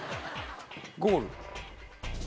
ゴール？